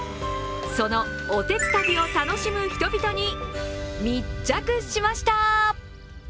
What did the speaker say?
その、おてつたびを楽しむ人々に密着しました。